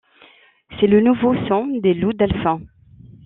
C’est le nouveau son des Lou Dalfin.